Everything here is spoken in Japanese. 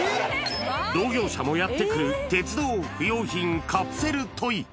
同業者もやって来る鉄道不要品カプセルトイ。